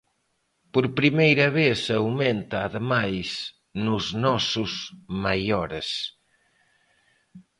Por primeira vez aumenta, ademais, nos nosos maiores.